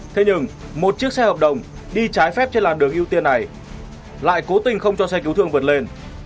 thế nhưng một chiếc xe hợp đồng đi trái phép trên làn đường ưu tiên này lại cố tình không cho xe cứu thương vượt lên